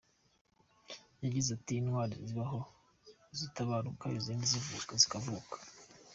Yagize ati “Intwari zibaho zigatabaruka, izindi zikavuka.